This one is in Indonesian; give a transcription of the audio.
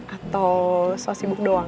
atau soal sibuk doang